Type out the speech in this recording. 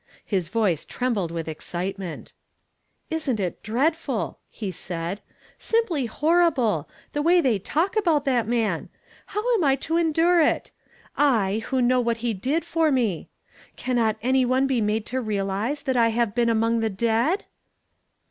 His voice trembled with excitement. " Isn't it dreadful I " he said ; "simply horrible I the way they talk about that man ! How am I to endure it ?/, who know what he did for me ! Cannot any one be made to realize that I have been among the dead